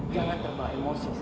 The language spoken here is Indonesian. jangan terbakar emosi hasan